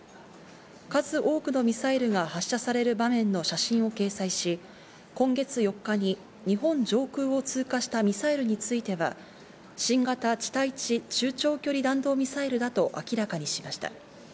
数多くのミサイルが発射される場面の写真を掲載し、今月４日に日本上空を通過したミサイルについては、新型地対地中長距離弾道ミサイルだと明らかにしました。